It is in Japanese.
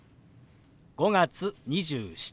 「５月２７」